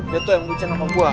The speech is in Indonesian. ya tuh yang bucin sama gua